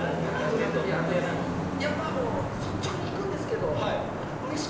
やっぱもう率直に聞くんですけど。